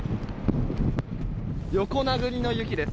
横殴りの雪です。